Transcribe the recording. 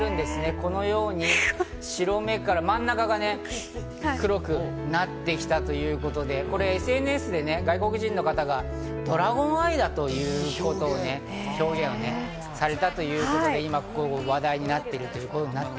このように白目から真ん中が黒くなってきたということで、ＳＮＳで外国人の方がドラゴンアイだという表現をされたということで、今話題になっているんです。